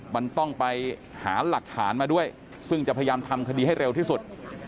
มันต้องไปหาหลักฐานมาด้วยซึ่งจะพยายามทำคดีให้เร็วที่สุด